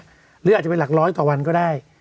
หรืออาจจะเป็นหลักร้อยต่อวันก็ได้